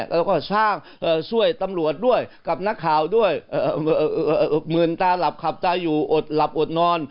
แล้วก็สร้างช่วยตำรวจด้วยกับนักข่าวด้วยหมื่นตาหลับขับตาอยู่อดหลับอดนอน